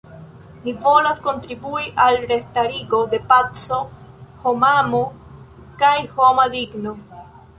Ni volas kontribui al restarigo de paco, homamo kaj homa digno.